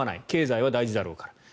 経済は大事だろうから。